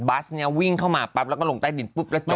สนี้วิ่งเข้ามาปั๊บแล้วก็ลงใต้ดินปุ๊บแล้วเจอ